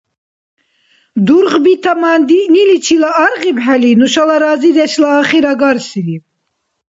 Дургъби тамандиъниличила аргъибхӀели нушала разидешла ахир агарсири.